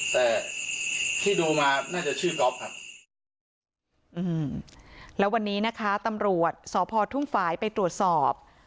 แต่ที่ดูมาน่าจะชื่อก๊อฟครับอืมแล้ววันนี้นะคะตำรวจสพทุ่งฝ่ายไปตรวจสอบ